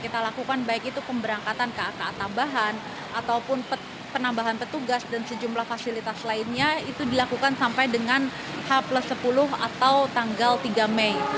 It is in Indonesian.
tugas dan sejumlah fasilitas lainnya itu dilakukan sampai dengan h plus sepuluh atau tanggal tiga mei